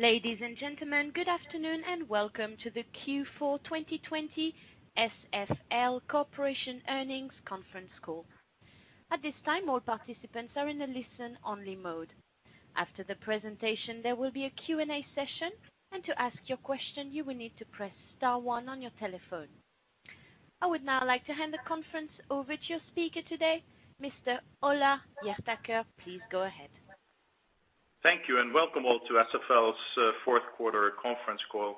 Ladies and gentlemen, good afternoon and welcome to the Q4 2020 SFL Corporation earnings conference call. At this time, all participants are in a listen-only mode. After the presentation, there will be a Q&A session, and to ask your question, you will need to press star one on your telephone. I would now like to hand the conference over to your speaker today, Mr. Ole Hjertaker. Please go ahead. Thank you, welcome all to SFL's fourth quarter conference call.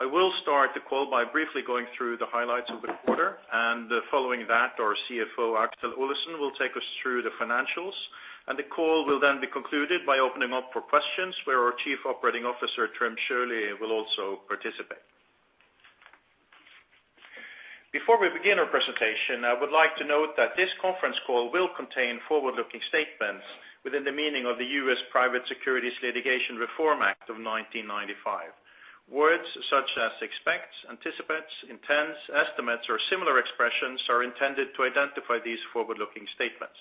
I will start the call by briefly going through the highlights of the quarter, and following that, our CFO, Aksel Olesen, will take us through the financials. The call will then be concluded by opening up for questions where our Chief Operating Officer, Trym Sjølie, will also participate. Before we begin our presentation, I would like to note that this conference call will contain forward-looking statements within the meaning of the U.S. Private Securities Litigation Reform Act of 1995. Words such as expects, anticipates, intends, estimates, or similar expressions are intended to identify these forward-looking statements.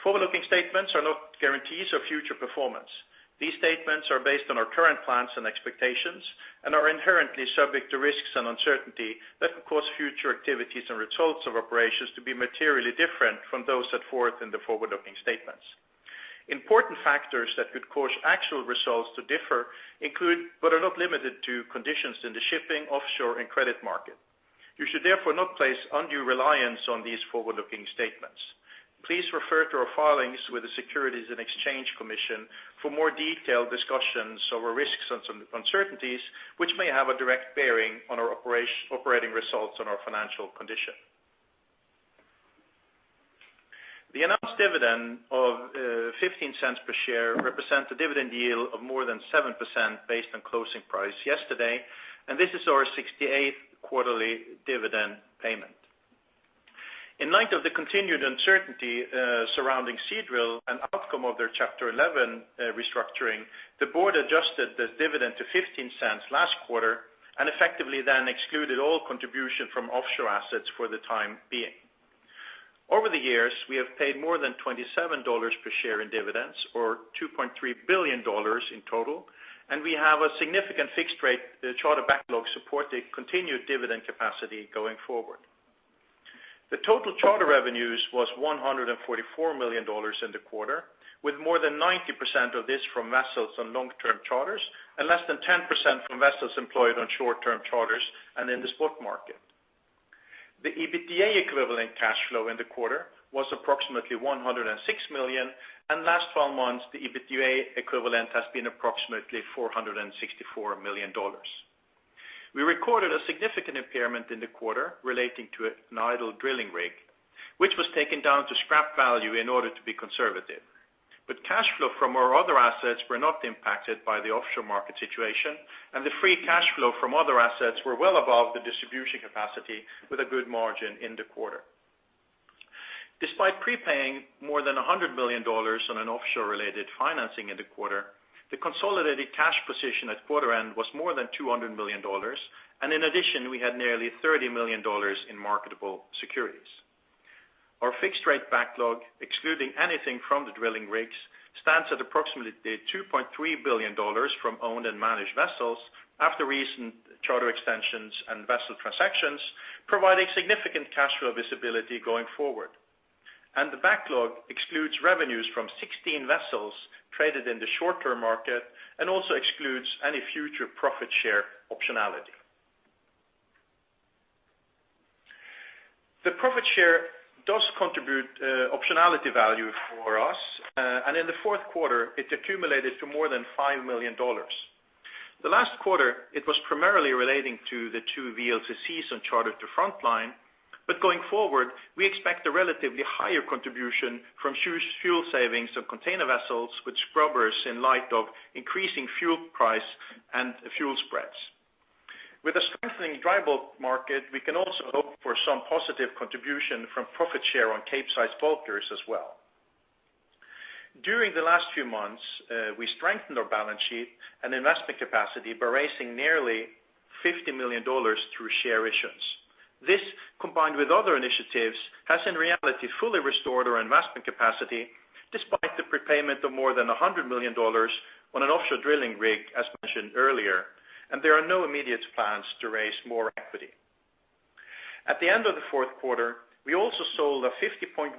Forward-looking statements are not guarantees of future performance. These statements are based on our current plans and expectations and are inherently subject to risks and uncertainty that can cause future activities and results of operations to be materially different from those set forth in the forward-looking statements. Important factors that could cause actual results to differ include, but are not limited to, conditions in the shipping, offshore, and credit market. You should therefore not place undue reliance on these forward-looking statements. Please refer to our filings with the Securities and Exchange Commission for more detailed discussions over risks and uncertainties, which may have a direct bearing on our operating results and our financial condition. The announced dividend of $0.15 per share represents a dividend yield of more than 7% based on closing price yesterday. This is our 68th quarterly dividend payment. In light of the continued uncertainty surrounding Seadrill and outcome of their Chapter 11 restructuring, the board adjusted the dividend to $0.15 last quarter and effectively then excluded all contribution from offshore assets for the time being. Over the years, we have paid more than $27 per share in dividends or $2.3 billion in total, and we have a significant fixed rate charter backlog support the continued dividend capacity going forward. The total charter revenues was $44 million in the quarter, with more than 90% of this from vessels on long-term charters and less than 10% from vessels employed on short-term charters and in the spot market. The EBITDA equivalent cash flow in the quarter was approximately $106 million, and last 12 months, the EBITDA equivalent has been approximately $464 million. We recorded a significant impairment in the quarter relating to an idle drilling rig, which was taken down to scrap value in order to be conservative. Cash flow from our other assets were not impacted by the offshore market situation, and the free cash flow from other assets were well above the distribution capacity with a good margin in the quarter. Despite prepaying more than $100 million on an offshore-related financing in the quarter, the consolidated cash position at quarter end was more than $200 million, and in addition, we had nearly $30 million in marketable securities. Our fixed rate backlog, excluding anything from the drilling rigs, stands at approximately $2.3 billion from owned and managed vessels after recent charter extensions and vessel transactions provide a significant cash flow visibility going forward. The backlog excludes revenues from 16 vessels traded in the short-term market and also excludes any future profit share optionality. The profit share does contribute optionality value for us. In the fourth quarter, it accumulated to more than $5 million. The last quarter, it was primarily relating to the two VLCCs on charter to Frontline, but going forward, we expect a relatively higher contribution from huge fuel savings on container vessels with scrubbers in light of increasing fuel price and fuel spreads. With a strengthening dry bulk market, we can also hope for some positive contribution from profit share on Capesize bulkers as well. During the last few months, we strengthened our balance sheet and investment capacity by raising nearly $50 million through share issuance. This, combined with other initiatives, has in reality fully restored our investment capacity despite the prepayment of more than $100 million on an offshore drilling rig, as mentioned earlier. There are no immediate plans to raise more equity. At the end of the fourth quarter, we also sold a 50.1%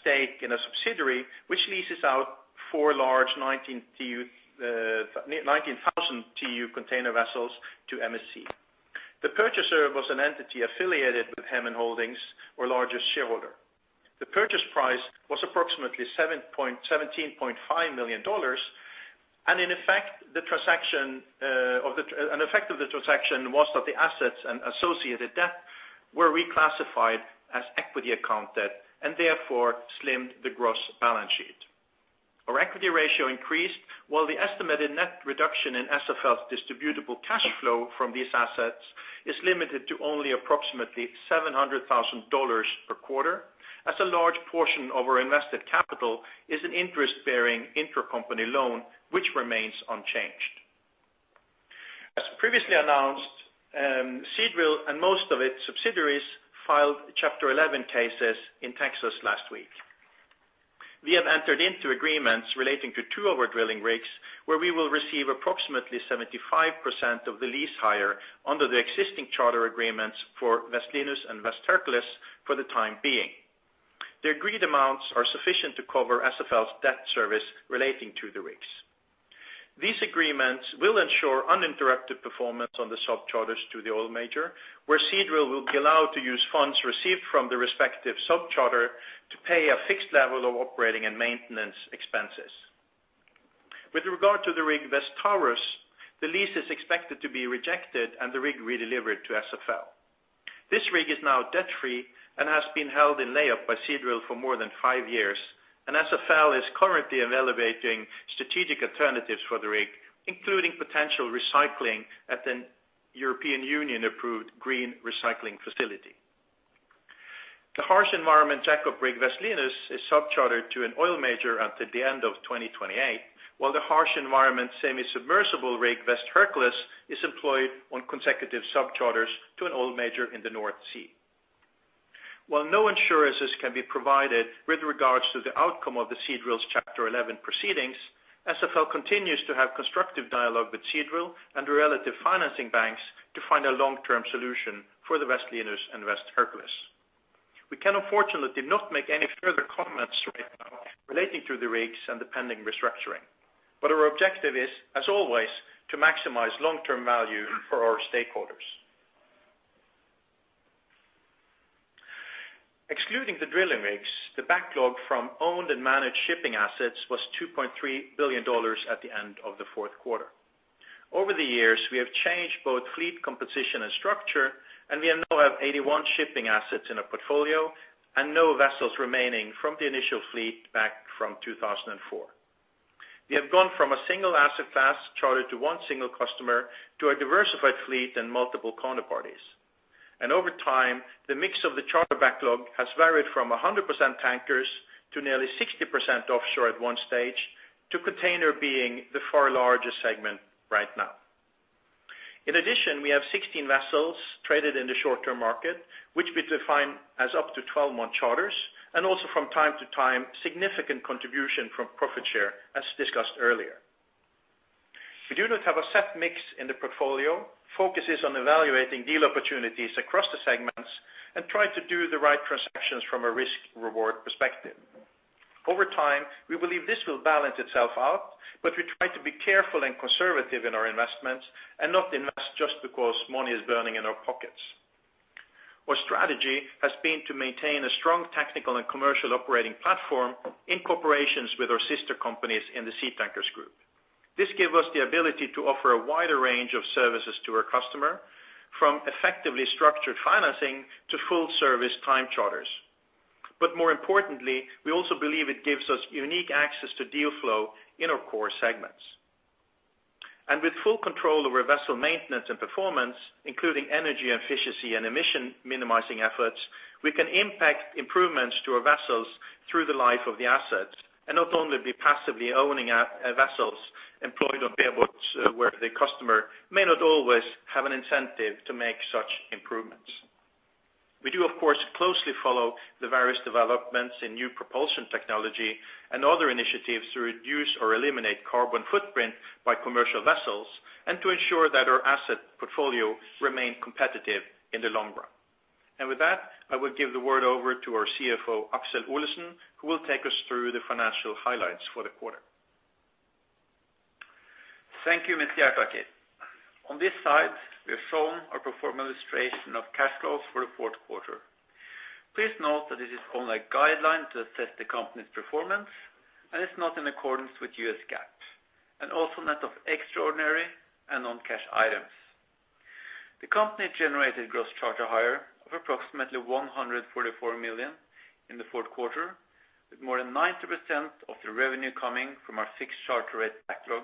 stake in a subsidiary which leases out four large 19,000 TEU container vessels to MSC. The purchaser was an entity affiliated with Hemen Holdings, our largest shareholder. The purchase price was approximately $17.5 million. An effect of the transaction was that the assets and associated debt were reclassified as equity account debt and therefore slimmed the gross balance sheet. Our equity ratio increased while the estimated net reduction in SFL's distributable cash flow from these assets is limited to only approximately $700,000 per quarter, as a large portion of our invested capital is an interest-bearing intracompany loan, which remains unchanged. As previously announced, Seadrill and most of its subsidiaries filed Chapter 11 cases in Texas last week. We have entered into agreements relating to two of our drilling rigs, where we will receive approximately 75% of the lease hire under the existing charter agreements for West Linus and West Hercules for the time being. The agreed amounts are sufficient to cover SFL's debt service relating to the rigs. These agreements will ensure uninterrupted performance on the subcharters to the oil major, where Seadrill will be allowed to use funds received from the respective subcharter to pay a fixed level of operating and maintenance expenses. With regard to the rig, West Taurus, the lease is expected to be rejected and the rig re-delivered to SFL. This rig is now debt-free and has been held in layup by Seadrill for more than five years, and SFL is currently evaluating strategic alternatives for the rig, including potential recycling at the European Union-approved green recycling facility. The harsh environment jackup rig, West Linus, is subchartered to an oil major until the end of 2028, while the harsh environment semi-submersible rig, West Hercules, is employed on consecutive subcharters to an oil major in the North Sea. While no insurances can be provided with regards to the outcome of the Seadrill's Chapter 11 proceedings, SFL continues to have constructive dialogue with Seadrill and the relative financing banks to find a long-term solution for the West Linus and West Hercules. We can unfortunately not make any further comments right now relating to the rigs and the pending restructuring. Our objective is, as always, to maximize long-term value for our stakeholders. Excluding the drilling rigs, the backlog from owned and managed shipping assets was $2.3 billion at the end of the fourth quarter. Over the years, we have changed both fleet composition and structure, and we now have 81 shipping assets in our portfolio and no vessels remaining from the initial fleet back from 2004. We have gone from a single asset class chartered to one single customer to a diversified fleet and multiple counterparties. Over time, the mix of the charter backlog has varied from 100% tankers to nearly 60% offshore at one stage, to container being the far largest segment right now. In addition, we have 16 vessels traded in the short-term market, which we define as up to 12-month charters, and also from time to time, significant contribution from profit share, as discussed earlier. We do not have a set mix in the portfolio. Focus is on evaluating deal opportunities across the segments and try to do the right transactions from a risk-reward perspective. Over time, we believe this will balance itself out, but we try to be careful and conservative in our investments and not invest just because money is burning in our pockets. Our strategy has been to maintain a strong technical and commercial operating platform in cooperation with our sister companies in the Seatankers Group. This give us the ability to offer a wider range of services to our customer, from effectively structured financing to full service time charters. More importantly, we also believe it gives us unique access to deal flow in our core segments. With full control over vessel maintenance and performance, including energy efficiency and emission minimizing efforts, we can impact improvements to our vessels through the life of the assets, and not only be passively owning vessels employed on bareboats where the customer may not always have an incentive to make such improvements. We do, of course, closely follow the various developments in new propulsion technology and other initiatives to reduce or eliminate carbon footprint by commercial vessels, and to ensure that our asset portfolio remain competitive in the long run. With that, I will give the word over to our CFO, Aksel Olesen, who will take us through the financial highlights for the quarter. Thank you, Mr Hjertaker. On this slide, we have shown our pro forma illustration of cash flows for the fourth quarter. Please note that this is only a guideline to assess the company's performance, and it's not in accordance with U.S. GAAP, and also net of extraordinary and non-cash items. The company generated gross charter hire of approximately $144 million in the fourth quarter, with more than 90% of the revenue coming from our fixed charter rate backlog,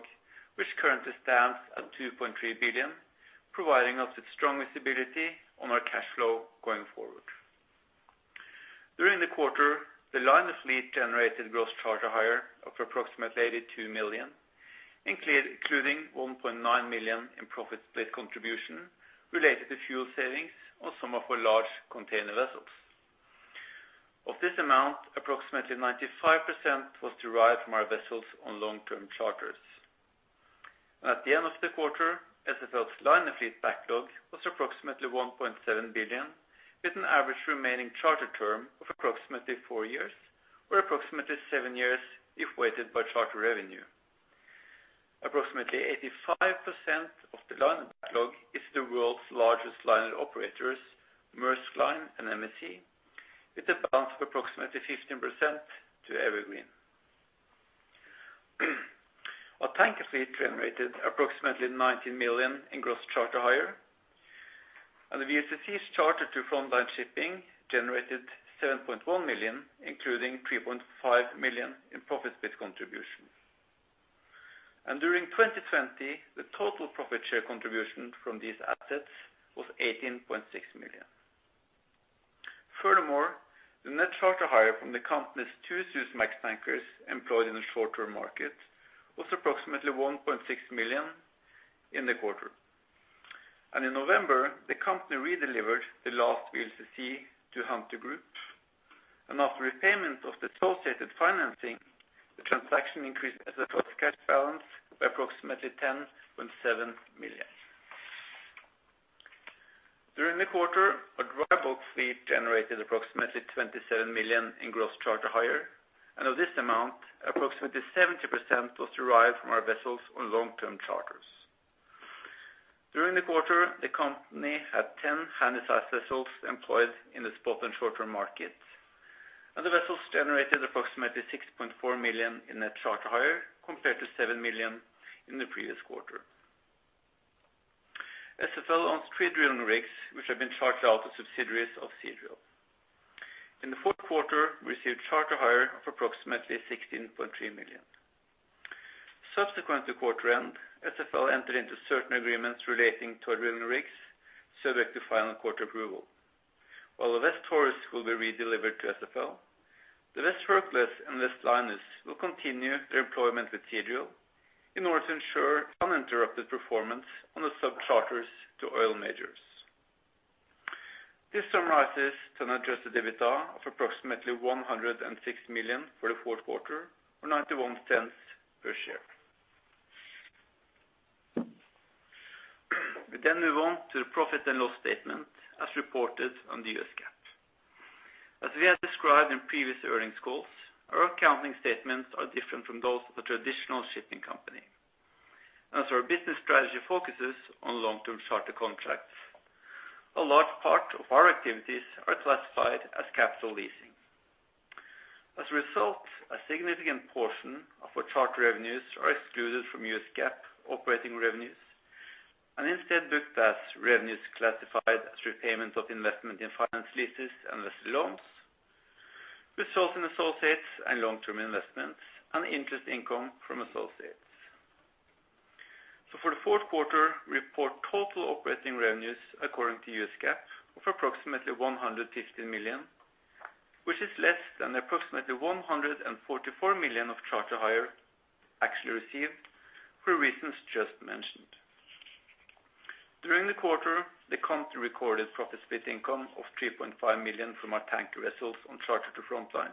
which currently stands at $2.3 billion, providing us with strong visibility on our cash flow going forward. During the quarter, the liner fleet generated gross charter hire of approximately $82 million, including $1.9 million in profit split contribution related to fuel savings on some of our large container vessels. Of this amount, approximately 95% was derived from our vessels on long-term charters. At the end of the quarter, SFL's liner fleet backlog was approximately $1.7 billion, with an average remaining charter term of approximately four years or approximately seven years if weighted by charter revenue. Approximately 85% of the liner backlog is the world's largest liner operators, Maersk Line and MSC, with a balance of approximately 15% to Evergreen. Our tanker fleet generated approximately $19 million in gross charter hire, and the VLCCs chartered to Frontline Shipping generated $7.1 million, including $3.5 million in profit split contributions. During 2020, the total profit share contribution from these assets was $18.6 million. Furthermore, the net charter hire from the company's two Supramax tankers employed in the short-term market was approximately $1.6 million in the quarter. In November, the company redelivered the last VLCC to Hunter Group. After repayment of the associated financing, the transaction increased SFL's cash balance by approximately $10.7 million. During the quarter, our dry bulk fleet generated approximately $27 million in gross charter hire, and of this amount, approximately 70% was derived from our vessels on long-term charters. During the quarter, the company had 10 Handysize vessels employed in the spot and short-term market, and the vessels generated approximately $6.4 million in net charter hire, compared to $7 million in the previous quarter. SFL owns three drilling rigs, which have been chartered out to subsidiaries of Seadrill. In the fourth quarter, we received charter hire of approximately $16.3 million. Subsequent to quarter end, SFL entered into certain agreements relating to our drilling rigs, subject to final quarter approval. While the West Taurus will be redelivered to SFL, the West Hercules and West Linus will continue their employment with Seadrill in order to ensure uninterrupted performance on the subcharters to oil majors. This summarizes to an adjusted EBITDA of approximately $106 million for the fourth quarter or $0.91 per share. We move on to the profit and loss statement as reported on the U.S. GAAP. As we have described in previous earnings calls, our accounting statements are different from those of a traditional shipping company. As our business strategy focuses on long-term charter contracts, a large part of our activities are classified as capital leasing. As a result, a significant portion of our charter revenues are excluded from U.S. GAAP operating revenues and instead booked as revenues classified as repayment of investment in finance leases and vessel loans, results in associates and long-term investments, and interest income from associates. For the fourth quarter, we report total operating revenues according to U.S. GAAP of approximately $115 million, which is less than approximately $144 million of charter hire actually received for reasons just mentioned. During the quarter, the company recorded profit split income of $3.5 million from our tanker vessels on charter to Frontline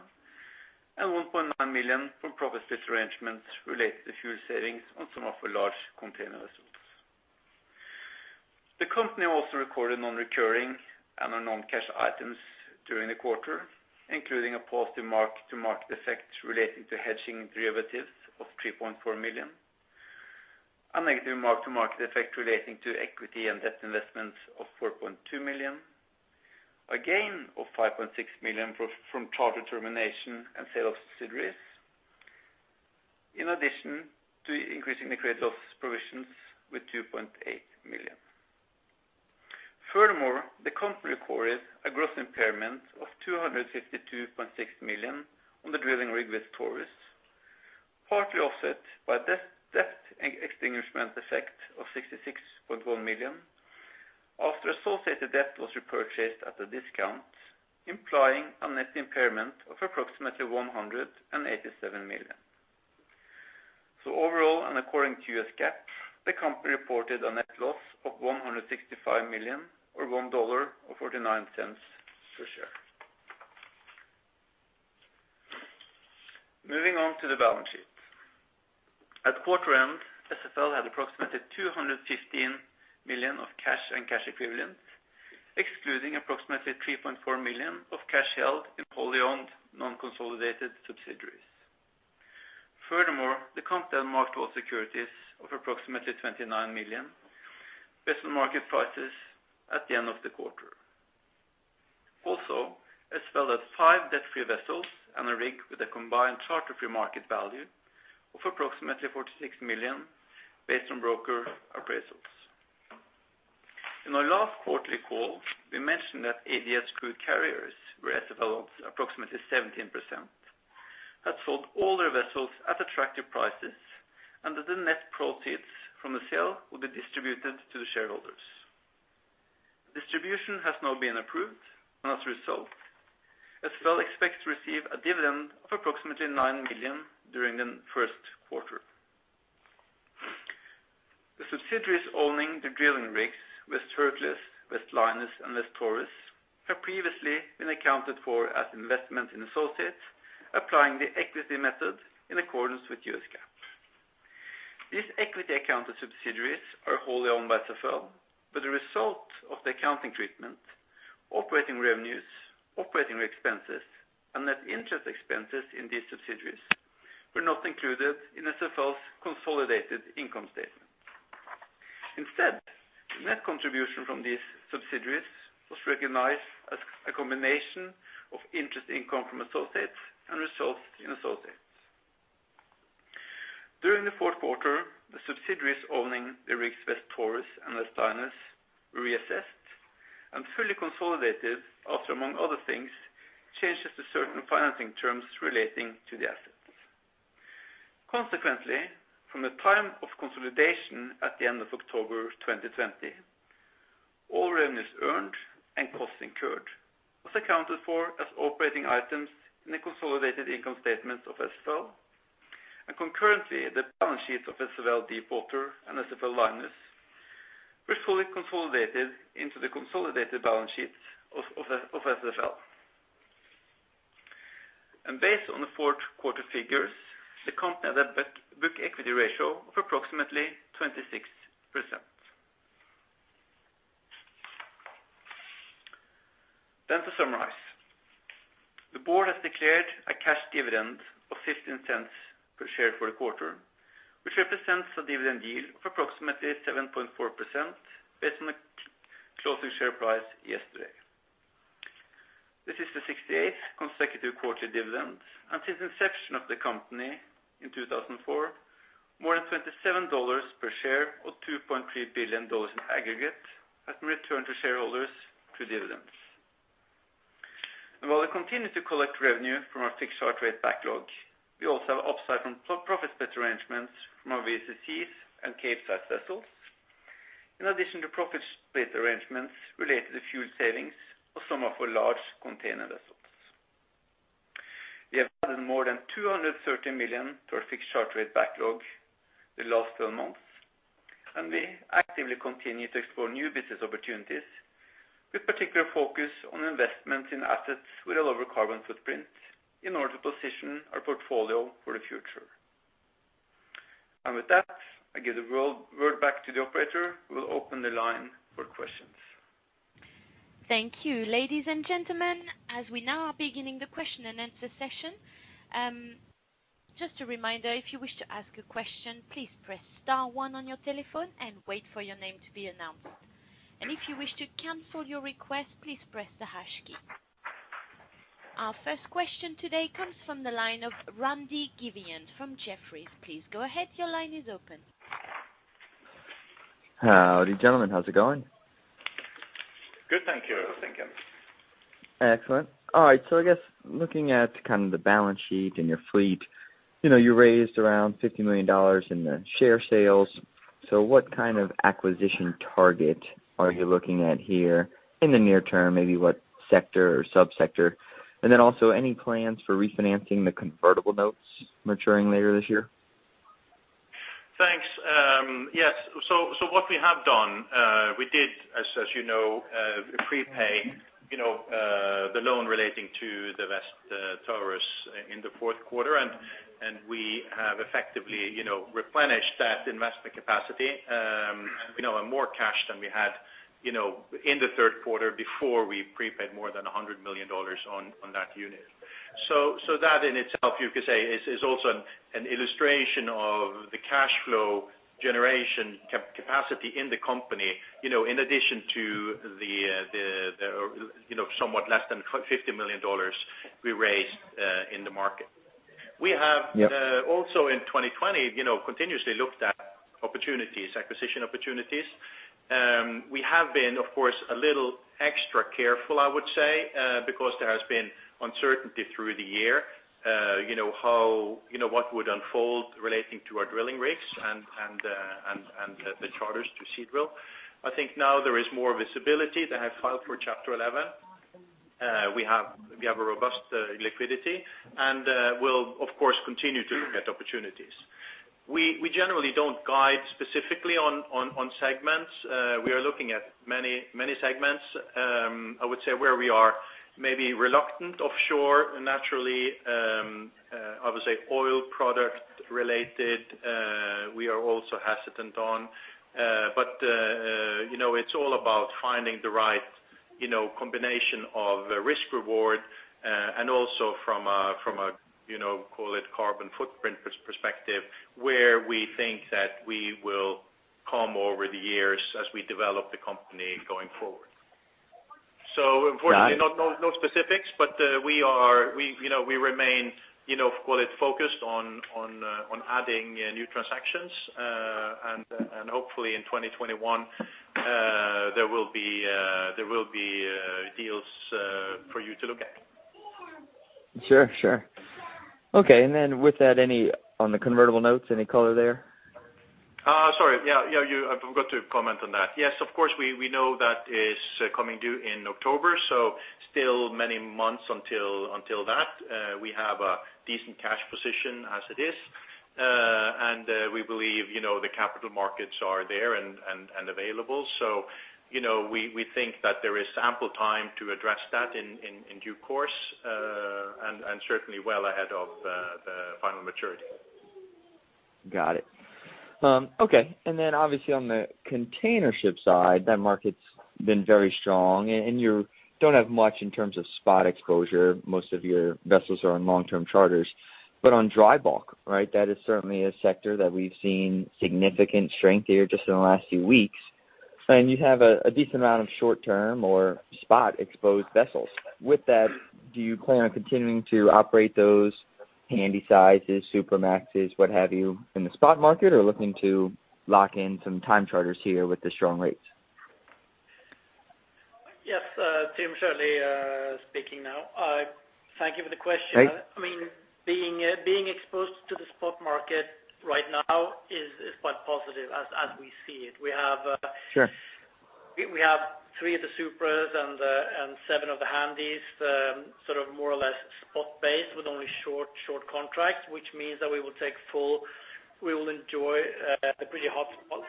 and $1.9 million from profit split arrangements related to fuel savings on some of our large container vessels. The company also recorded non-recurring and our non-cash items during the quarter, including a positive mark-to-market effect relating to hedging derivatives of $3.4 million, a negative mark-to-market effect relating to equity and debt investments of $4.2 million, a gain of $5.6 million from charter termination and sale of subsidiaries, in addition to increasing the credit loss provisions with $2.8 million. Furthermore, the company recorded a gross impairment of $252.6 million on the drilling rig West Taurus, partly offset by a debt extinguishment effect of $66.1 million after associated debt was repurchased at a discount, implying a net impairment of approximately $187 million. Overall, and according to U.S. GAAP, the company reported a net loss of $165 million or $1.49 per share. Moving on to the balance sheet. At quarter end, SFL had approximately $215 million of cash and cash equivalents, excluding approximately $3.4 million of cash held in wholly owned non-consolidated subsidiaries. Furthermore, the company marketable securities of approximately $29 million based on market prices at the end of the quarter. Also, SFL has five debt-free vessels and a rig with a combined charter-free market value of approximately $46 million based on broker appraisals. In our last quarterly call, we mentioned that ADS Crude Carriers, where SFL owns approximately 17%, had sold all their vessels at attractive prices, and that the net proceeds from the sale will be distributed to the shareholders. Distribution has now been approved, and as a result, SFL expects to receive a dividend of approximately $9 million during the first quarter. The subsidiaries owning the drilling rigs West Taurus, West Linus, and West Taurus, have previously been accounted for as investment in associates, applying the equity method in accordance with U.S. GAAP. These equity accounted subsidiaries are wholly owned by SFL, but as a result of the accounting treatment, operating revenues, operating expenses, and net interest expenses in these subsidiaries were not included in SFL's consolidated income statement. Instead, net contribution from these subsidiaries was recognized as a combination of interest income from associates and results in associates. During the fourth quarter, the subsidiaries owning the rigs West Taurus and West Linus reassessed and fully consolidated after, among other things, changes to certain financing terms relating to the assets. Consequently, from the time of consolidation at the end of October 2020, all revenues earned and costs incurred was accounted for as operating items in the consolidated income statement of SFL. Concurrently, the balance sheet of SFL Deepwater and SFL Linus were fully consolidated into the consolidated balance sheets of SFL. Based on the fourth quarter figures, the company had a book equity ratio of approximately 26%. To summarize, the board has declared a cash dividend of $0.15 per share for the quarter, which represents a dividend yield of approximately 7.4% based on the closing share price yesterday. This is the 68th consecutive quarterly dividend, and since inception of the company in 2004, more than $27 per share or $2.3 billion in aggregate has been returned to shareholders through dividends. While we continue to collect revenue from our fixed chart rate backlog, we also have upside from profit split arrangements from our VLCCs and Capesize vessels, in addition to profit split arrangements related to fuel savings of some of our large container vessels. We have added more than $230 million to our fixed charter rate backlog the last 12 months. We actively continue to explore new business opportunities with particular focus on investment in assets with a lower carbon footprint in order to position our portfolio for the future. With that, I give the word back to the operator, who will open the line for questions. Thank you. Ladies and gentlemen, as we now are beginning the question and answer session, just a reminder, if you wish to ask a question, please press star one on your telephone and wait for your name to be announced. If you wish to cancel your request, please press the hash key. Our first question today comes from the line of Randy Giveans from Jefferies. Please go ahead. Your line is open. Howdy, gentlemen. How's it going? Good, thank you. Randy? Excellent. All right. I guess looking at kind of the balance sheet and your fleet, you raised around $50 million in the share sales. What kind of acquisition target are you looking at here in the near term? Maybe what sector or sub-sector? Then also any plans for refinancing the convertible notes maturing later this year? Thanks. Yes. What we have done, we did, as you know, prepay the loan relating to the West Taurus in the fourth quarter and we have effectively replenished that investment capacity and we now have more cash than we had in the third quarter before we prepaid more than $100 million on that unit. That in itself you could say is also an illustration of the cash flow generation capacity in the company in addition to the somewhat less than $50 million we raised in the market. Yep. We have also in 2020 continuously looked at acquisition opportunities. We have been, of course, a little extra careful, I would say because there has been uncertainty through the year what would unfold relating to our drilling rigs and the charters to Seadrill. I think now there is more visibility. They have filed for Chapter 11. We have a robust liquidity and we'll of course continue to look at opportunities. We generally don't guide specifically on segments. We are looking at many segments. I would say where we are maybe reluctant offshore naturally, obviously oil product related, we are also hesitant on. It's all about finding the right combination of risk reward, and also from a call it carbon footprint perspective, where we think that we will come over the years as we develop the company going forward. Got it. No specifics, but we remain call it focused on adding new transactions. Hopefully in 2021, there will be deals for you to look at. Sure. Okay. With that, on the convertible notes, any color there? Sorry. Yeah. I forgot to comment on that. Yes, of course, we know that is coming due in October, so still many months until that. We have a decent cash position as it is. We believe the capital markets are there and available. We think that there is ample time to address that in due course, and certainly well ahead of the final maturity. Got it. Okay. Obviously on the container ship side, that market's been very strong and you don't have much in terms of spot exposure. Most of your vessels are on long-term charters. On dry bulk, that is certainly a sector that we've seen significant strength here just in the last few weeks. You have a decent amount of short-term or spot exposed vessels. With that, do you plan on continuing to operate those Handysizes, Supramaxes, what have you, in the spot market or looking to lock in some time charters here with the strong rates? Yes. Trym Sjølie speaking now. Thank you for the question. Great. Being exposed to the spot market right now is quite positive as we see it. Sure. We have three of the Supras and seven of the Handys, more or less spot base with only short contracts, which means that we will enjoy a pretty hot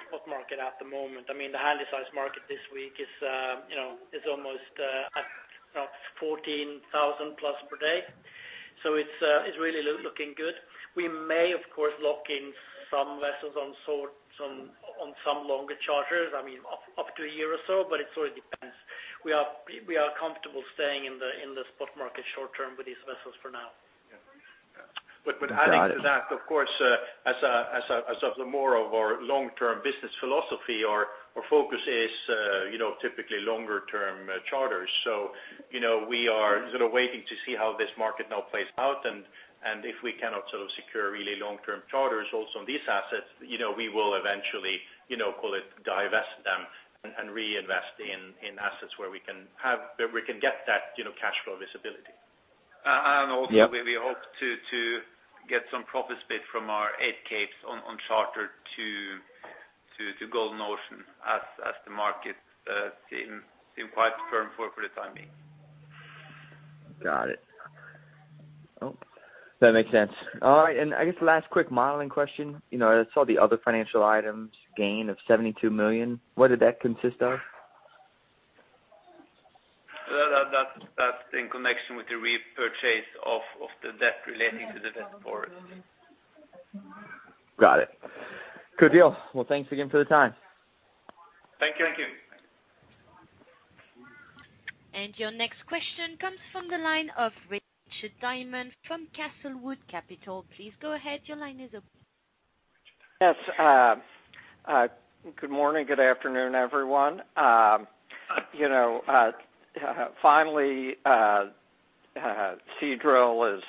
spot market at the moment. The Handysize market this week is almost at $14,000+ per day. It's really looking good. We may, of course, lock in some vessels on some longer charters, up to a year or so, but it sort of depends. We are comfortable staying in the spot market short term with these vessels for now. Yeah. Adding to that, of course, as of the more of our long-term business philosophy, our focus is typically longer term charters. We are sort of waiting to see how this market now plays out and if we cannot sort of secure really long-term charters also on these assets, we will eventually, call it, divest them and reinvest in assets where we can get that cash flow visibility. Yep. Also, we hope to get some profit split from our eight Capes on charter to Golden Ocean as the market seem quite firm for the time being. Got it. Oh, that makes sense. All right, I guess last quick modeling question. I saw the other financial items gain of $72 million. What did that consist of? That's in connection with the repurchase of the debt relating to the debt forward. Got it. Good deal. Thanks again for the time. Thank you. Thank you. Your next question comes from the line of Richard Diamond from Castlewood Capital. Please go ahead. Your line is open. Yes. Good morning, good afternoon, everyone. Finally, Seadrill is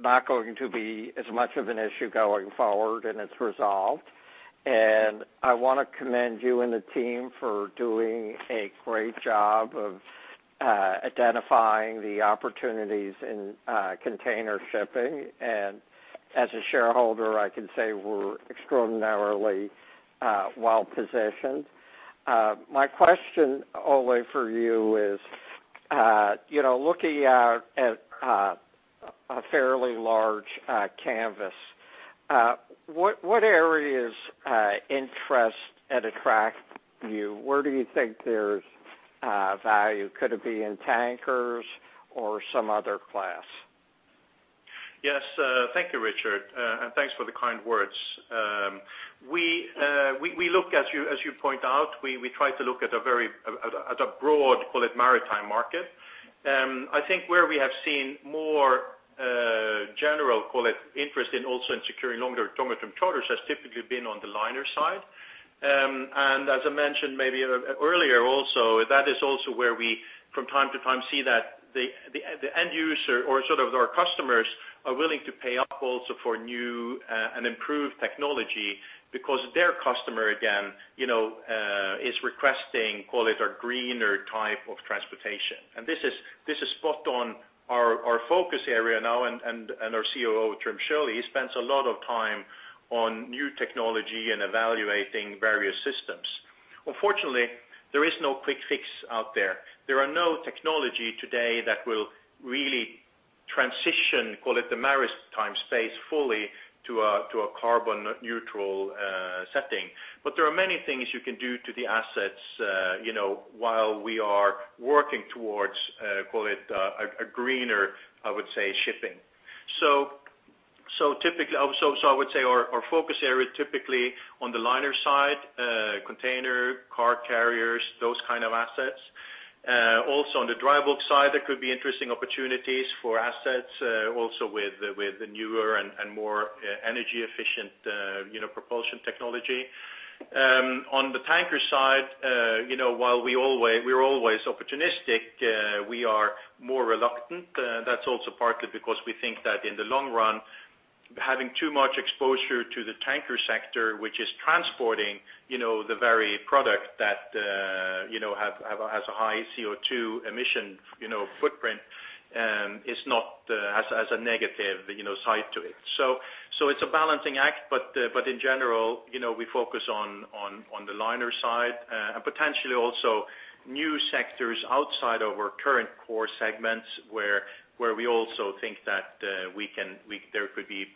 not going to be as much of an issue going forward and it's resolved. I want to commend you and the team for doing a great job of identifying the opportunities in container shipping. As a shareholder, I can say we're extraordinarily well-positioned. My question, Ole, for you is looking out at a fairly large canvas, what areas interest and attract you? Where do you think there's value? Could it be in tankers or some other class? Yes. Thank you, Richard. Thanks for the kind words. As you point out, we try to look at a broad, call it maritime market. I think where we have seen more general, call it, interest in also in securing longer term charters has typically been on the liner side. As I mentioned maybe earlier also, that is also where we from time to time see that the end user or sort of our customers are willing to pay up also for new and improved technology because their customer, again, is requesting, call it a greener type of transportation. This is spot on our focus area now and our COO, Trym Sjølie, spends a lot of time on new technology and evaluating various systems. Unfortunately, there is no quick fix out there. There are no technology today that will really transition, call it the maritime space fully to a carbon neutral setting. There are many things you can do to the assets while we are working towards, call it, a greener, I would say shipping. I would say our focus area typically on the liner side, container, car carriers, those kind of assets. Also on the dry bulk side, there could be interesting opportunities for assets also with the newer and more energy efficient propulsion technology. On the tanker side, while we're always opportunistic, we are more reluctant. That's also partly because we think that in the long run, having too much exposure to the tanker sector, which is transporting the very product that has a high CO2 emission footprint has a negative side to it. It's a balancing act, but in general, we focus on the liner side, and potentially also new sectors outside of our current core segments where we also think that there could be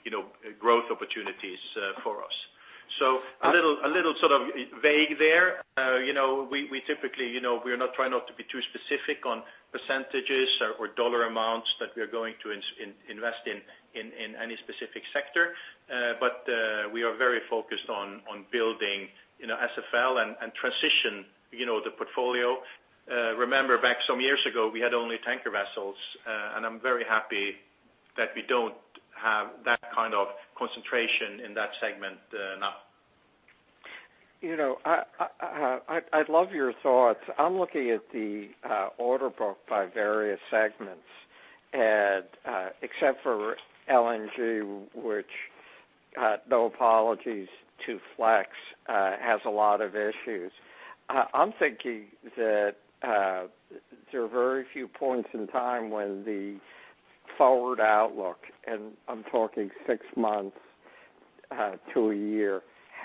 growth opportunities for us. A little sort of vague there. We typically try not to be too specific on percentages or dollar amounts that we are going to invest in any specific sector. We are very focused on building SFL and transition the portfolio. Remember back some years ago, we had only tanker vessels, and I'm very happy that we don't have that kind of concentration in that segment now. I'd love your thoughts. I'm looking at the order book by various segments and except for LNG which, no apologies to Flex, has a lot of issues. I'm thinking that there are very few points in time when the forward outlook, and I'm talking six months to a year,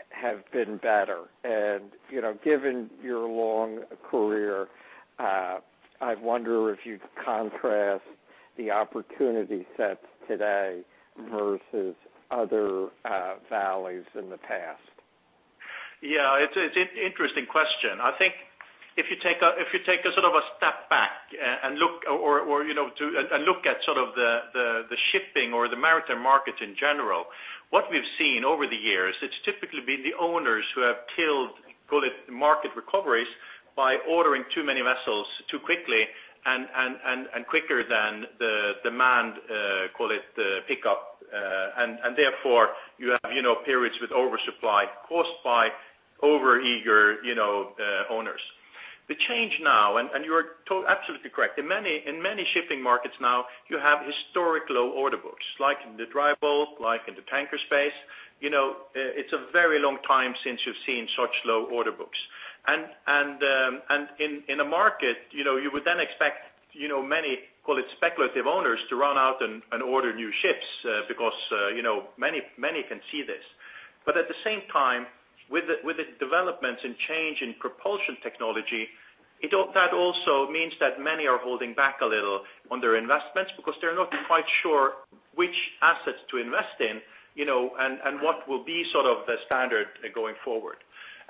have been better. Given your long career, I wonder if you'd contrast the opportunity set today versus other valleys in the past? Yeah. It's an interesting question. I think if you take a step back and look at the shipping or the maritime market in general, what we've seen over the years, it's typically been the owners who have killed, call it, market recoveries by ordering too many vessels too quickly and quicker than the demand, call it, pickup. Therefore, you have periods with oversupply caused by overeager owners. The change now, and you are absolutely correct. In many shipping markets now, you have historic low order books, like in the dry bulk, like in the tanker space. It's a very long time since you've seen such low order books. In a market, you would then expect many, call it, speculative owners to run out and order new ships, because many can see this. At the same time, with the developments and change in propulsion technology, that also means that many are holding back a little on their investments because they're not quite sure which assets to invest in, and what will be the standard going forward.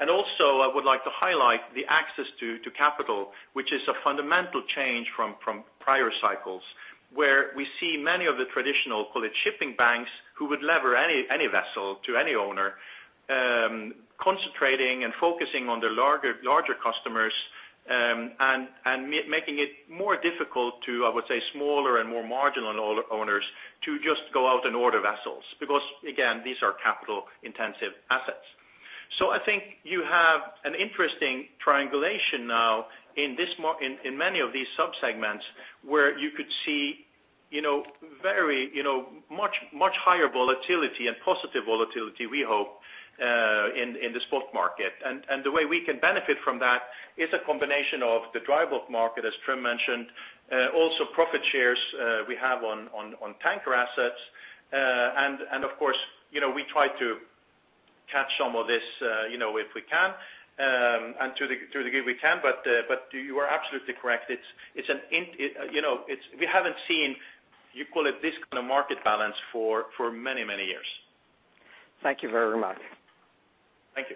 Also, I would like to highlight the access to capital, which is a fundamental change from prior cycles, where we see many of the traditional, call it, shipping banks, who would lever any vessel to any owner, concentrating and focusing on the larger customers, and making it more difficult to, I would say, smaller and more marginal owners to just go out and order vessels, because again, these are capital-intensive assets. I think you have an interesting triangulation now in many of these sub-segments where you could see much higher volatility and positive volatility, we hope, in the spot market. The way we can benefit from that is a combination of the dry bulk market, as Trym mentioned, also profit shares we have on tanker assets. Of course, we try to catch some of this if we can, and through the grid we can, but you are absolutely correct. We haven't seen, you call it, this kind of market balance for many, many years. Thank you very much. Thank you.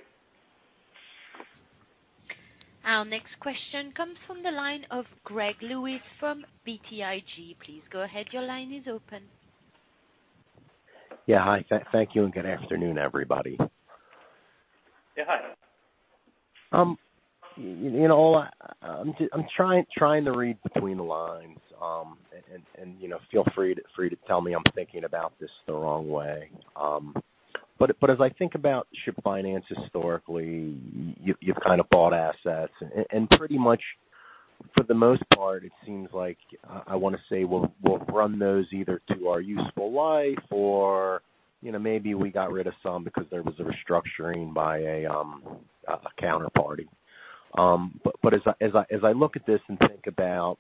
Our next question comes from the line of Greg Lewis from BTIG. Yeah. Hi, thank you and good afternoon, everybody. Yeah. Hi. I'm trying to read between the lines. Feel free to tell me I'm thinking about this the wrong way. As I think about ship finance historically, you've bought assets, and pretty much for the most part, it seems like, I want to say, we'll run those either to our useful life or maybe we got rid of some because there was a restructuring by a counterparty. As I look at this and think about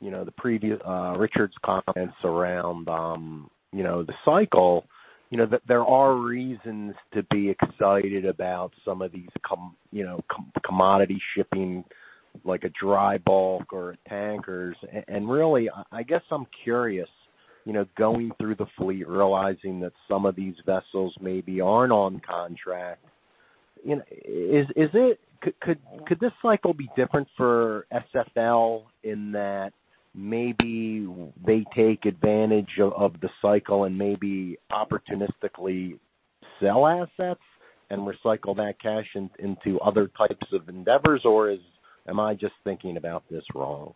Richard's comments around the cycle, there are reasons to be excited about some of these commodity shipping, like a dry bulk or tankers. Really, I guess I'm curious, going through the fleet, realizing that some of these vessels maybe aren't on contract, could this cycle be different for SFL in that maybe they take advantage of the cycle and maybe opportunistically sell assets and recycle that cash into other types of endeavors? Am I just thinking about this wrong?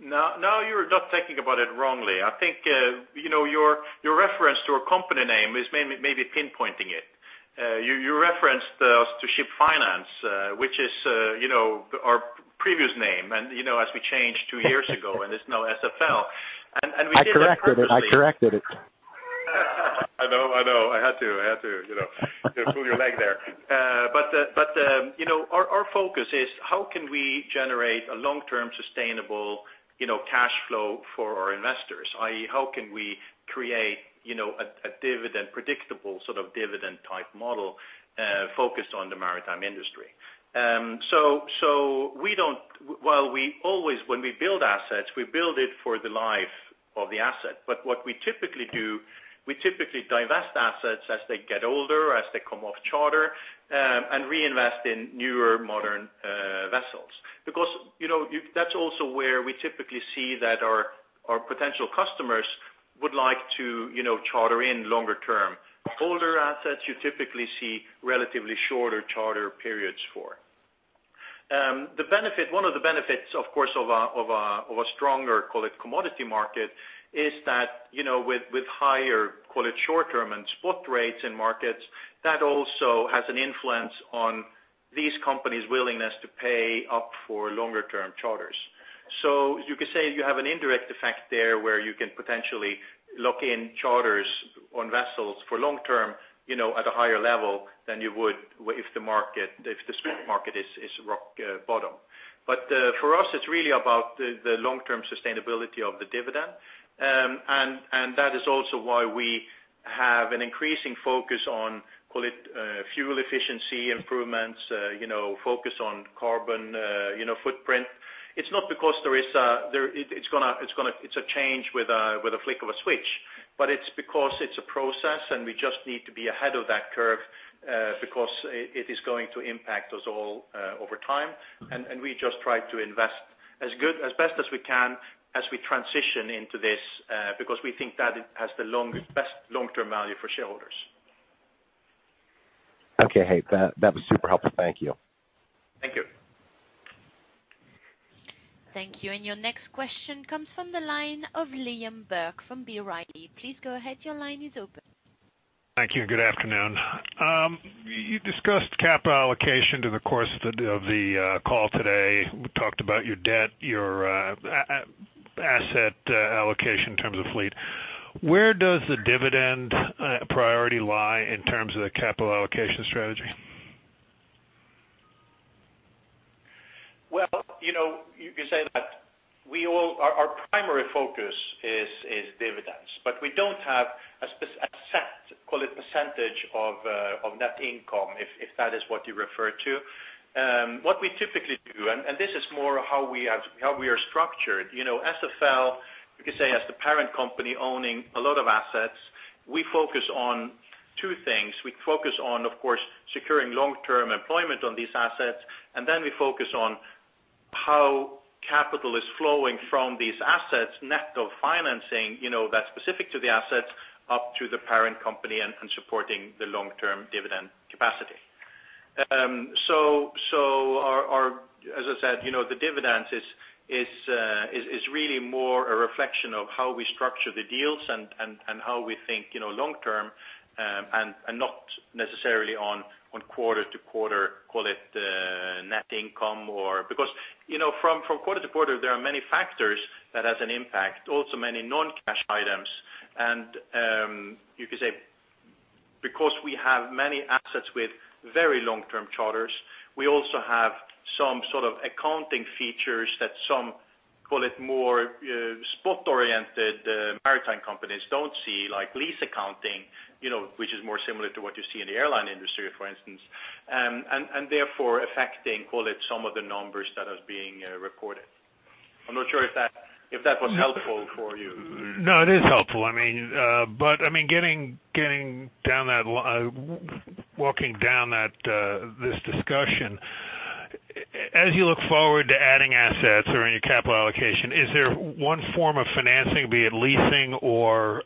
No, you're not thinking about it wrongly. I think your reference to a company name is maybe pinpointing it. You referenced us to Ship Finance, which is our previous name, and as we changed two years ago, and it's now SFL. We did that purposely. I corrected it. I know. I had to pull your leg there. Our focus is how can we generate a long-term sustainable cash flow for our investors, i.e., how can we create a predictable dividend-type model focused on the maritime industry? While we always, when we build assets, we build it for the life of the asset, but what we typically do, we typically divest assets as they get older, as they come off charter, and reinvest in newer, modern vessels. That's also where we typically see that our potential customers would like to charter in longer term. Older assets, you typically see relatively shorter charter periods for. One of the benefits, of course, of a stronger, call it, commodity market, is that with higher, call it, short-term and spot rates in markets, that also has an influence on these companies' willingness to pay up for longer-term charters. You could say you have an indirect effect there where you can potentially lock in charters on vessels for long term, at a higher level than you would if the spot market is rock bottom. For us, it's really about the long-term sustainability of the dividend. That is also why we have an increasing focus on, call it, fuel efficiency improvements, focus on carbon footprint. It's not because it's a change with a flick of a switch, but it's because it's a process and we just need to be ahead of that curve, because it is going to impact us all over time. We just try to invest as best as we can as we transition into this, because we think that it has the best long-term value for shareholders. Okay. Hey, that was super helpful. Thank you. Thank you. Thank you. Your next question comes from the line of Liam Burke from B. Riley. Please go ahead. Your line is open. Thank you. Good afternoon. You discussed capital allocation in the course of the call today. We talked about your debt, your asset allocation in terms of fleet. Where does the dividend priority lie in terms of the capital allocation strategy? Well, you could say that our primary focus is dividends, but we don't have a set, call it, percentage of net income, if that is what you refer to. What we typically do, this is more how we are structured. SFL, you could say as the parent company owning a lot of assets, we focus on two things. We focus on, of course, securing long-term employment on these assets, we focus on how capital is flowing from these assets, net of financing, that's specific to the assets up to the parent company and supporting the long-term dividend capacity. As I said, the dividend is really more a reflection of how we structure the deals and how we think long term, and not necessarily on quarter to quarter, call it, net income. From quarter to quarter, there are many factors that has an impact, also many non-cash items. You could say, because we have many assets with very long-term charters, we also have some sort of accounting features that some, call it, more spot-oriented maritime companies don't see, like lease accounting which is more similar to what you see in the airline industry, for instance, therefore affecting, call it, some of the numbers that are being recorded. I'm not sure if that was helpful for you. No, it is helpful. Walking down this discussion, as you look forward to adding assets or in your capital allocation, is there one form of financing, be it leasing or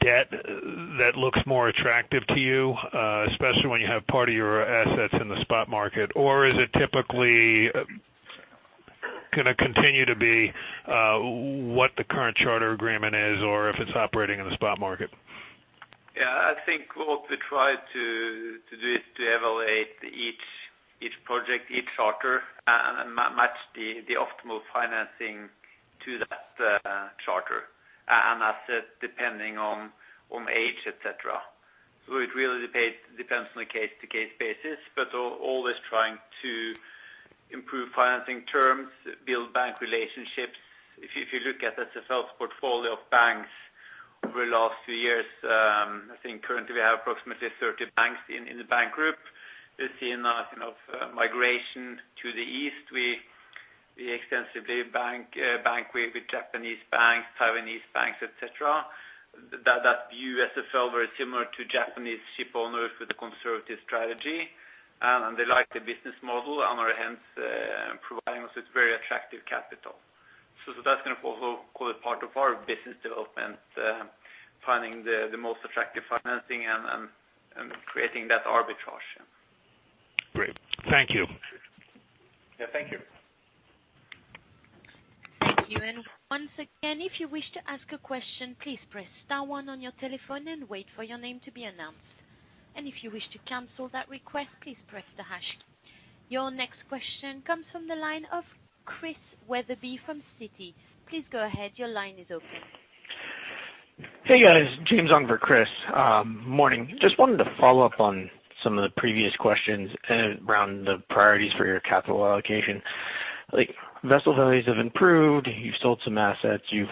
debt, that looks more attractive to you? Especially when you have part of your assets in the spot market, or is it typically going to continue to be what the current charter agreement is or if it's operating in the spot market? Yeah, I think what we try to do is to evaluate each project, each charter, and match the optimal financing to that charter and asset depending on age, et cetera. It really depends on a case to case basis, but always trying to improve financing terms, build bank relationships. If you look at SFL's portfolio of banks over the last few years, I think currently we have approximately 30 banks in the bank group. You've seen a migration to the East. We extensively bank with Japanese banks, Taiwanese banks, et cetera, that view SFL very similar to Japanese ship owners with a conservative strategy. They like the business model and are hence providing us with very attractive capital. That's going to also call it part of our business development, finding the most attractive financing and creating that arbitrage. Great. Thank you. Yeah, thank you. Thank you. Once again, if you wish to ask a question, please press star one on your telephone and wait for your name to be announced. If you wish to cancel that request, please press the hash key. Your next question comes from the line of Chris Wetherbee from Citi. Please go ahead. Your line is open. Hey, guys. James on for Chris. Morning. Just wanted to follow up on some of the previous questions around the priorities for your capital allocation. Vessel values have improved. You've sold some assets, you've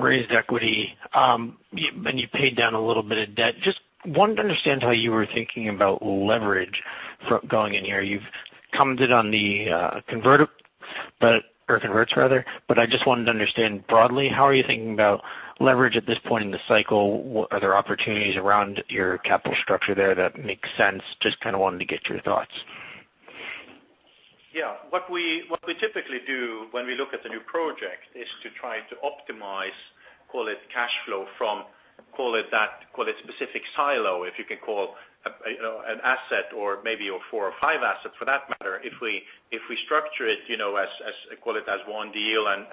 raised equity, and you paid down a little bit of debt. Just wanted to understand how you were thinking about leverage going in here. You've commented on the converter, or converts rather, I just wanted to understand broadly, how are you thinking about leverage at this point in the cycle? Are there opportunities around your capital structure there that make sense? Just kind of wanted to get your thoughts. Yeah. What we typically do when we look at a new project is to try to optimize, call it, cash flow from, call it specific silo, if you can call an asset or maybe four or five assets for that matter. If we structure it as one deal and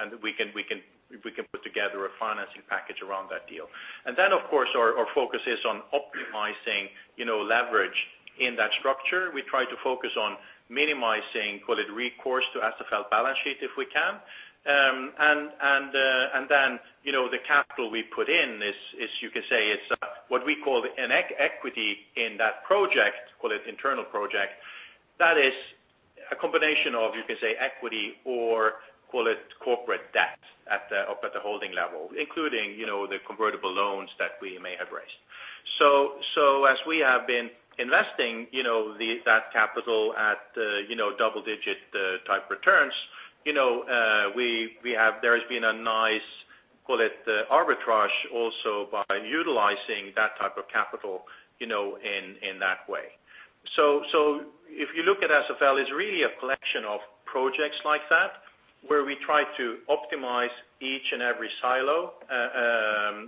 we can put together a financing package around that deal. Then of course our focus is on optimizing leverage in that structure. We try to focus on minimizing recourse to SFL balance sheet if we can. Then the capital we put in is what we call an equity in that project, call it internal project. That is a combination of, you can say equity or call it corporate debt up at the holding level, including the convertible loans that we may have raised. As we have been investing that capital at double-digit type returns, there has been a nice, call it arbitrage also by utilizing that type of capital in that way. If you look at SFL, it's really a collection of projects like that, where we try to optimize each and every silo.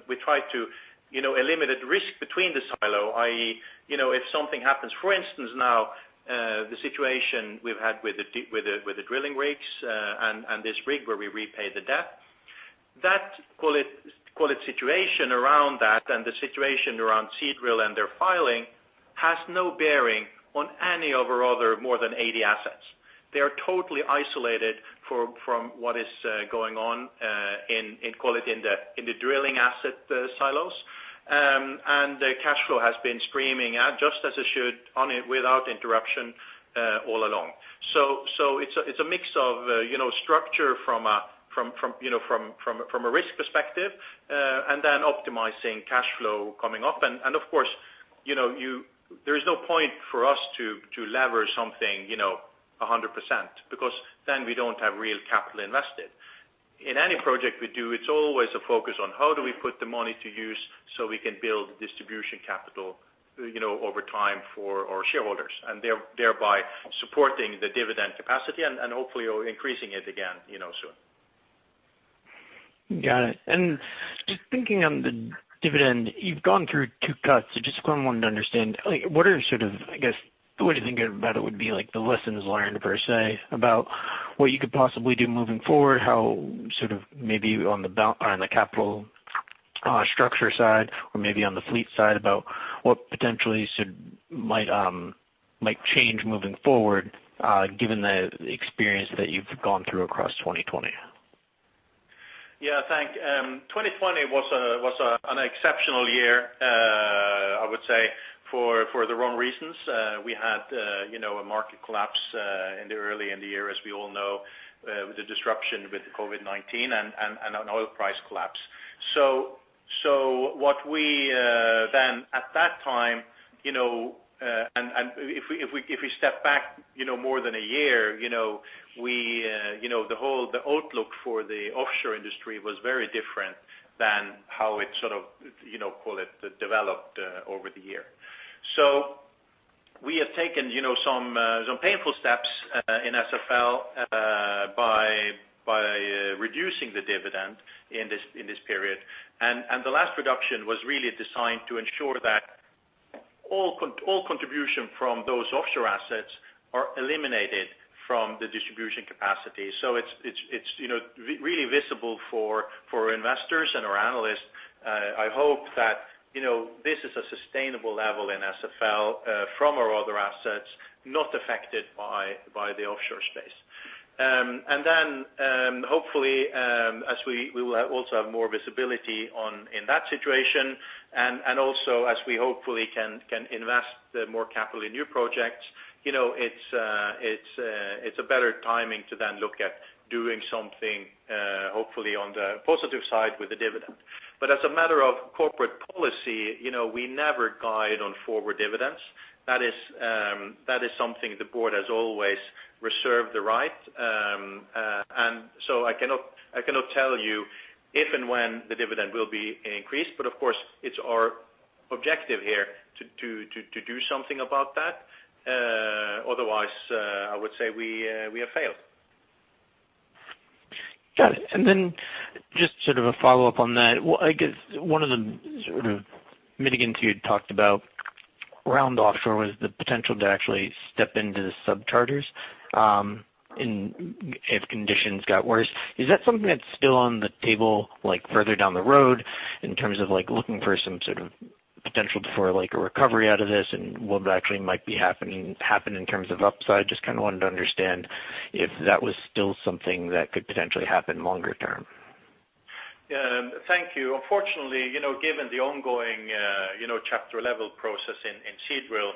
We try to eliminate risk between the silo, i.e., if something happens, for instance, now, the situation we've had with the drilling rigs, and this rig where we repay the debt. That call it situation around that and the situation around Seadrill and their filing has no bearing on any of our other more than 80 assets. They are totally isolated from what is going on in the drilling asset silos. The cash flow has been streaming out just as it should without interruption, all along. It's a mix of structure from a risk perspective, and then optimizing cash flow coming up. Of course, there is no point for us to lever something 100%, because then we don't have real capital invested. In any project we do, it's always a focus on how do we put the money to use so we can build distribution capital over time for our shareholders. Thereby supporting the dividend capacity and hopefully increasing it again soon. Got it. Just thinking on the dividend, you've gone through two cuts. Just wanted to understand, what do you think about it would be like the lessons learned per se about what you could possibly do moving forward? How sort of maybe on the capital structure side or maybe on the fleet side about what potentially might change moving forward, given the experience that you've gone through across 2020? Yeah, thanks. 2020 was an exceptional year, I would say for the wrong reasons. We had a market collapse early in the year, as we all know, the disruption with COVID-19 and an oil price collapse. What we then, at that time, and if we step back more than a year, the outlook for the offshore industry was very different than how it sort of developed over the year. We have taken some painful steps in SFL by reducing the dividend in this period. The last reduction was really designed to ensure that all contribution from those offshore assets are eliminated from the distribution capacity. It's really visible for investors and our analysts. I hope that this is a sustainable level in SFL from our other assets not affected by the offshore space. Hopefully, as we will also have more visibility in that situation and also as we hopefully can invest more capital in new projects, it's a better timing to then look at doing something hopefully on the positive side with the dividend. As a matter of corporate policy, we never guide on forward dividends. That is something the board has always reserved the right. I cannot tell you if and when the dividend will be increased, but of course it's our objective here to do something about that. Otherwise, I would say we have failed. Got it. Then just sort of a follow-up on that. I guess one of the sort of mitigants you talked about around offshore was the potential to actually step into the subcharters if conditions got worse. Is that something that's still on the table, like further down the road in terms of looking for some sort of potential for a recovery out of this and what actually might be happen in terms of upside? Just kind of wanted to understand if that was still something that could potentially happen longer term. Thank you. Unfortunately, given the ongoing Chapter 11 process in Seadrill,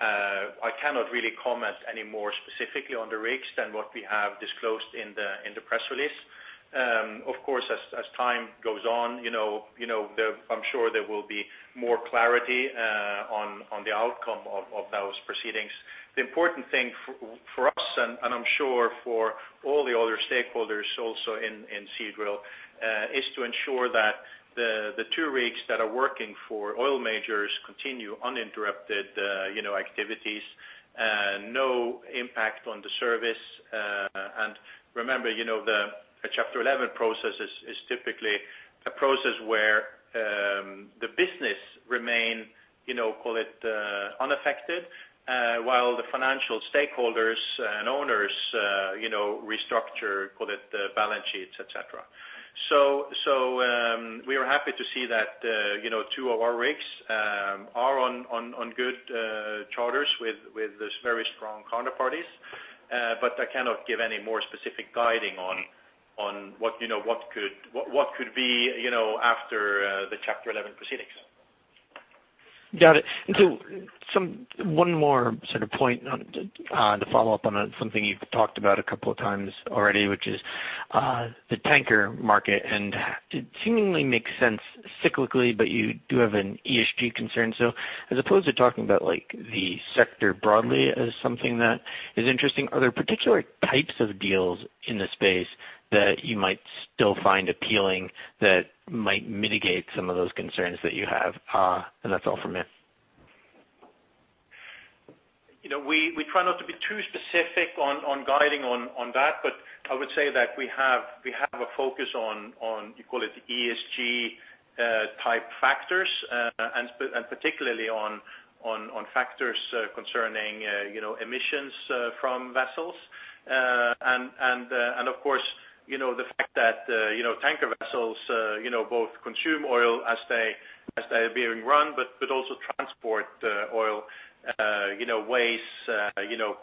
I cannot really comment any more specifically on the rigs than what we have disclosed in the press release. Of course, as time goes on, I am sure there will be more clarity on the outcome of those proceedings. The important thing for us and I am sure for all the other stakeholders also in Seadrill, is to ensure that the two rigs that are working for oil majors continue uninterrupted activities, no impact on the service. Remember, the Chapter 11 process is typically a process where the business remain unaffected, while the financial stakeholders and owners restructure the balance sheets, et cetera. We are happy to see that two of our rigs are on good charters with these very strong counterparties. I cannot give any more specific guiding on what could be after the Chapter 11 proceedings. Got it. One more sort of point to follow up on something you've talked about a couple of times already, which is the tanker market, and it seemingly makes sense cyclically, but you do have an ESG concern. As opposed to talking about the sector broadly as something that is interesting, are there particular types of deals in the space that you might still find appealing that might mitigate some of those concerns that you have? That's all from me. We try not to be too specific on guiding on that, but I would say that we have a focus on, you call it, ESG type factors, and particularly on factors concerning emissions from vessels. Of course, the fact that tanker vessels both consume oil as they are being run, but also transport oil waste,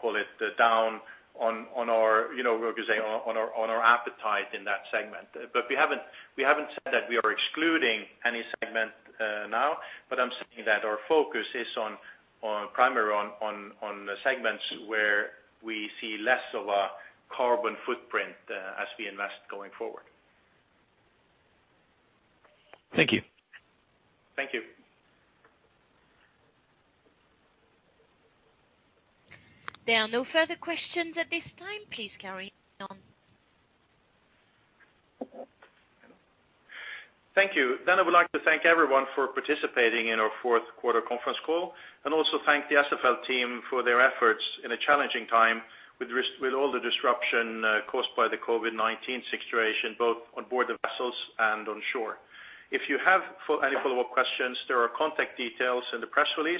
call it, down on our appetite in that segment. We haven't said that we are excluding any segment now, but I'm saying that our focus is primarily on segments where we see less of a carbon footprint as we invest going forward. Thank you. Thank you. There are no further questions at this time. Please carry on. Thank you. I would like to thank everyone for participating in our fourth quarter conference call, and also thank the SFL team for their efforts in a challenging time with all the disruption caused by the COVID-19 situation, both on board the vessels and on shore. If you have any follow-up questions, there are contact details in the press release,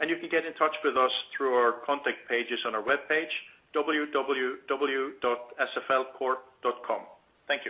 and you can get in touch with us through our contact pages on our webpage, www.sflcorp.com. Thank you.